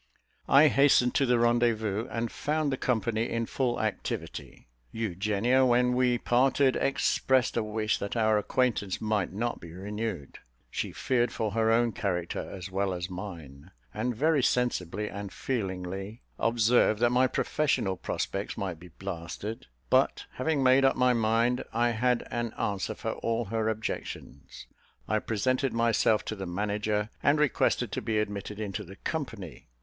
I hastened to the rendezvous, and found the company in full activity. Eugenia, when we parted, expressed a wish that our acquaintance might not be renewed. She feared for her own character as well as mine, and very sensibly and feelingly observed that my professional prospects might be blasted; but, having made up my mind, I had an answer for all her objections. I presented myself to the manager, and requested to be admitted into the company.